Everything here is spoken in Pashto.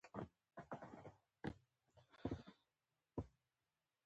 زموږ بزگر هغه سپلمۍ لرې کړې چې پټي کې شنې شوې وې.